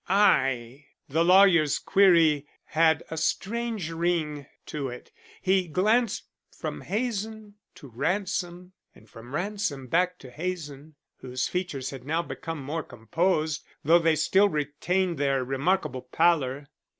"I?" The lawyer's query had a strange ring to it. He glanced from Hazen to Ransom, and from Ransom back to Hazen, whose features had now become more composed, though they still retained their remarkable pallor.